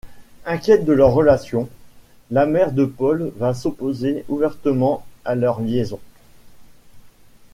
Inquiète de leur relation, la mère de Paul va s’opposer ouvertement à leur liaison.